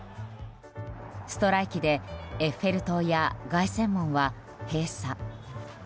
ストライキでエッフェル塔や凱旋門は閉鎖。